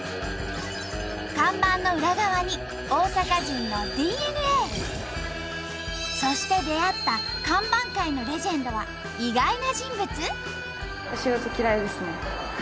看板の裏側にそして出会った看板界のレジェンドは意外な人物？